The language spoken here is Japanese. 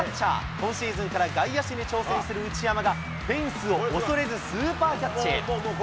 今シーズンから外野手に挑戦する内山が、フェンスを恐れずスーパーキャッチ。